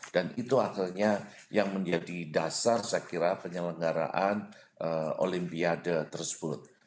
dan itu akhirnya yang menjadi dasar saya kira penyelenggaraan olimpiade tersebut